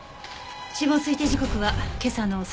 死亡推定時刻は今朝の３時から４時。